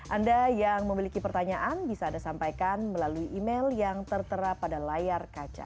anda yang memiliki pertanyaan bisa anda sampaikan melalui email yang tertera pada layar kaca